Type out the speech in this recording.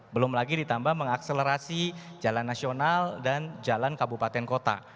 belum lagi ditambah mengakselerasi jalan nasional dan jalan kabupaten kota